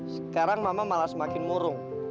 sekarang mama malah semakin murung